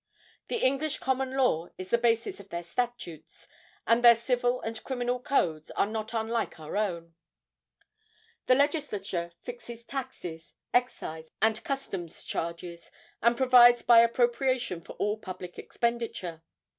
The English common law is the basis of their statutes, and their civil and criminal codes are not unlike our own. The Legislature fixes tax, excise and customs charges, and provides by appropriation for all public expenditure.